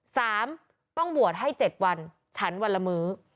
สามต้องบวชให้เจ็ดวันฉันวันละมื้อ